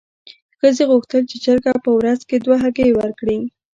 ښځې غوښتل چې چرګه په ورځ کې دوه هګۍ ورکړي.